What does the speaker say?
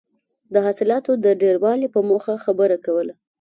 د حاصلاتو د ډېروالي په موخه خبره کوله.